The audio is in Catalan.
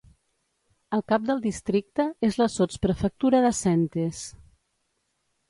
El cap del districte és la sotsprefectura de Saintes.